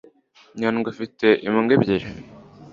Nyandwi afite imbwa ebyiri